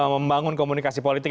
membangun komunikasi politik